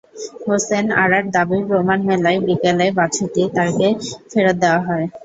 হোসনে আরার দাবির প্রমাণ মেলায় বিকেলে বাছুরটি তাঁকে ফেরত দেওয়া হয়।